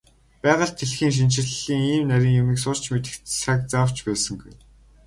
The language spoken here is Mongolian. Байгаль дэлхийн шинжлэлийн ийм нарийн юмыг сурч мэдэх цаг зав ч байсангүй.